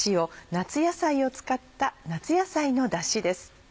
夏野菜を使った夏野菜のだしです。